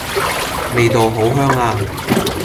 味道好香呀